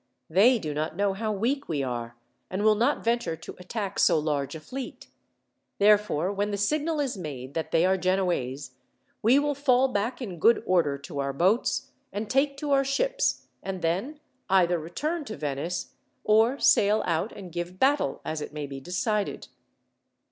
They do not know how weak we are, and will not venture to attack so large a fleet. Therefore, when the signal is made that they are Genoese, we will fall back in good order to our boats, and take to our ships, and then either return to Venice, or sail out and give battle, as it may be decided."